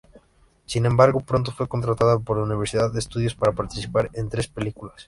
Sin embargo, pronto fue contratada por Universal Studios para participar en tres películas.